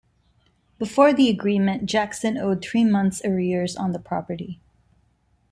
Before the agreement, Jackson owed three months' arrears on the property.